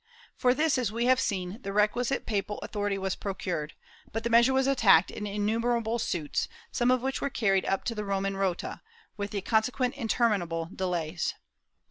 For this, as we have seen, the requisite papal author ity was procured, but the measure was attacked in innumerable suits, some of which were carried up to the Roman Rota, with the consequent interminable delays.